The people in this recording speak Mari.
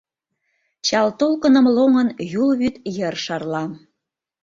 Чал толкыным лоҥын, Юл вӱд йыр шарла.